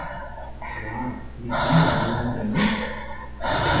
哇，你咁話你偶像？